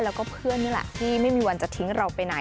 แล้วก็เพื่อนนี่แหละที่ไม่มีวันจะทิ้งเราไปไหน